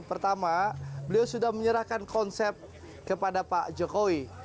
pertama beliau sudah menyerahkan konsep kepada pak jokowi